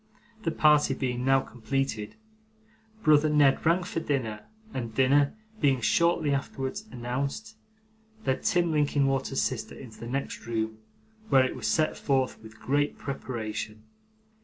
The party being now completed, brother Ned rang for dinner, and, dinner being shortly afterwards announced, led Tim Linkinwater's sister into the next room, where it was set forth with great preparation.